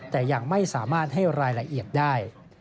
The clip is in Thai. แต่ยังไม่สามารถให้รายละเอียดได้